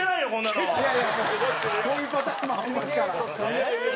こういうパターンもありますから。